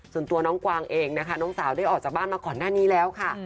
ส่วนตัวน้องกวางเองนะคะน้องสาวได้ออกจากบ้านมาก่อนหน้านี้แล้วค่ะ